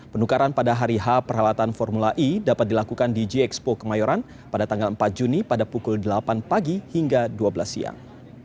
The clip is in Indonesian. penukaran pada hari h perhelatan formula e dapat dilakukan di gxpo kemayoran pada tanggal empat juni pada pukul delapan pagi hingga dua belas siang